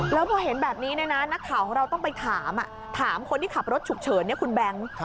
แล้วพอเห็นแบบนี้นักข่าวของเราต้องไปถามถามคนที่ขับรถฉุกเฉินคุณแบงค์